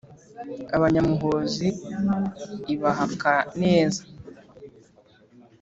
Abanyamuhozi ibahaka neza